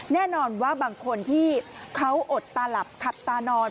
แน่นอนว่าบางคนที่เขาอดตาหลับขับตานอน